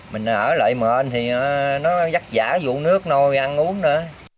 mình ở lại mệt thì nó dắt giả vụ nước nôi ăn uống nữa